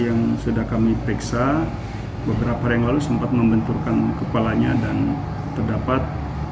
yang sudah kami periksa beberapa hari yang lalu sempat membenturkan kepalanya dan terdapat